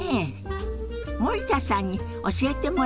森田さんに教えてもらいましょ。